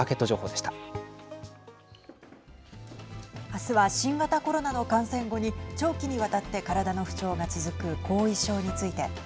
あすは新型コロナの感染後に長期にわたって体の不調が続く後遺症について。